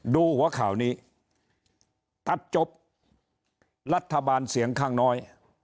ดูหัวข่าวนี้ตัดจบรัฐบาลเสียงข้างน้อย